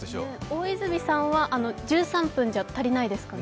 大泉さんは１３分じゃ足りないですか？